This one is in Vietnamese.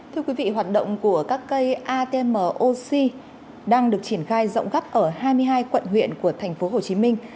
thưa quý vị hoạt động của các cây atm oxy đang được triển khai rộng gấp ở hai mươi hai quận huyện của thành phố hồ chí minh